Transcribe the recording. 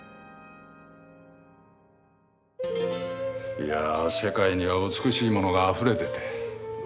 いや世界には美しいものがあふれてて選べません。